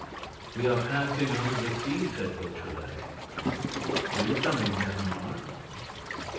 "We are passing under the sea," said Beautrelet. "Are you coming, Ganimard?"